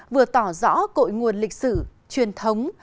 vừa tỏ rõ cội nguồn lịch sử truyền thống